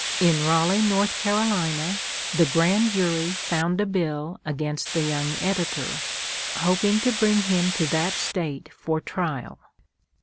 In Raleigh, N.C., the grand jury found a bill against the young editor, hoping to bring him to that State for trial.